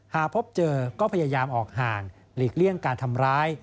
หากพบเจอก็พยายามออกห่างหลีกเลี่ยงการทำร้าย